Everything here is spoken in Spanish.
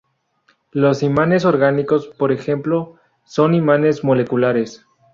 Los imanes orgánicos, por ejemplo, son imanes moleculares.